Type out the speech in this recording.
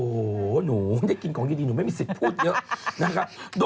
โอ้โหหนูไม่ได้กินของดีหนูไม่มีสิทธิ์พูดเยอะนะครับ